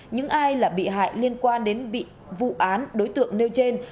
những ai là bị hại liên quan đến vụ án đối tượng nêu trên